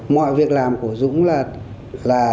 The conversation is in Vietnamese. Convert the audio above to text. mọi việc làm của dũng là